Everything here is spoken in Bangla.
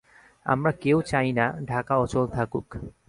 আমরা কেউ চাই না, ঢাকা অচল থাকুক।